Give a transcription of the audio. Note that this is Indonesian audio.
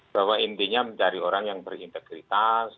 bahwa intinya mencari orang yang berintegritas